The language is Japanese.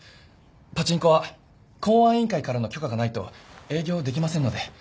パチンコは公安委員会からの許可がないと営業できませんので。